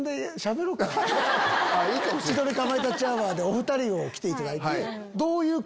『千鳥かまいたちアワー』でお２人来ていただいて。